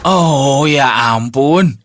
oh ya ampun